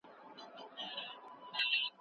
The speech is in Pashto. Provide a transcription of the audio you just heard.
ایا ژر انرژي یوازې ګلایکوجن ورکوي؟